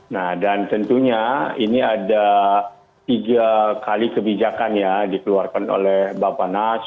nah dan tentunya ini ada tiga kali kebijakan ya dikeluarkan oleh bapak nas